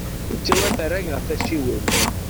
Ittawi afrag ɣef acciwen.